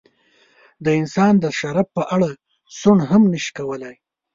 د انسان د شرف په اړه سوڼ هم نشي کولای.